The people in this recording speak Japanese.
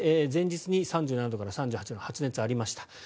前日に３７度から３８度の発熱がありました。